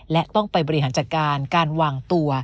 และต้องไปบริหารจัดการการวางตัว